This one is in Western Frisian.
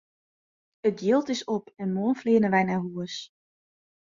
It jild is op en moarn fleane wy nei hús!